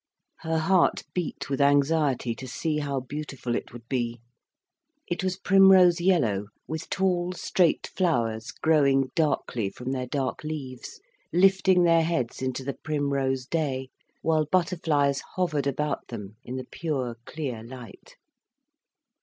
Her heart beat with anxiety, to see how beautiful it would be. It was primrose yellow, with tall straight flowers growing darkly from their dark leaves, lifting their heads into the primrose day, while butterflies hovered about them, in the pure clear light.